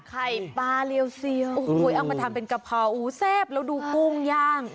ไข่ปลาเรียวเซียวโอ้โหเอามาทำเป็นกะเพราแซ่บแล้วดูกุ้งย่าง